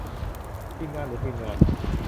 ทีมงาน หรือ ทีมงาน ?